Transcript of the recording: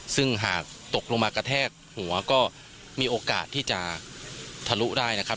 ซึ่งหากตกลงมากระแทกหัวก็มีโอกาสที่จะทะลุได้นะครับ